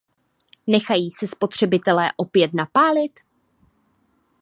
Nechají se spotřebitelé opět napálit?